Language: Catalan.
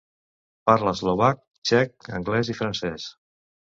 Parla eslovac, txec, anglès i francès.